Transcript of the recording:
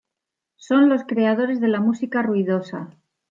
Son los creadores de la música ruidosa.